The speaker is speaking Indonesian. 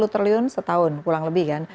enam puluh triliun setahun pulang lebih kan